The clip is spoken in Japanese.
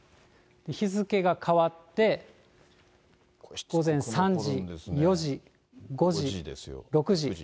日付が変わって、午前３時、４時、５時、６時。